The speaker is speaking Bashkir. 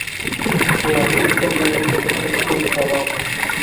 Шуларҙы үткәрмәйем тип эт кеүек саба.